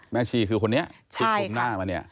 ชีคือคนนี้ที่คมหน้ามาเนี่ย